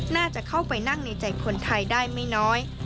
น่าจะเข้าไปนั่งในใจคนไทยได้ไม่น้อย